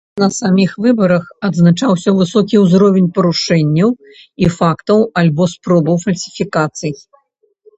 На саміх выбарах адзначаўся высокі ўзровень парушэнняў і фактаў альбо спробаў фальсіфікацый.